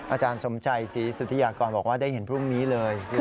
อาจารย์สมชัยศรีสุธิยากรบอกว่าได้เห็นพรุ่งนี้เลย